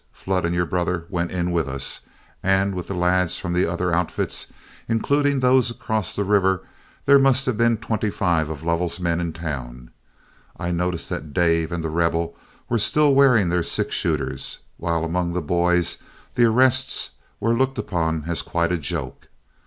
Flood and your brother went in with us, and with the lads from the other outfits, including those across the river, there must have been twenty five of Lovell's men in town. I noticed that Dave and The Rebel were still wearing their six shooters, while among the boys the arrests were looked upon as quite a joke.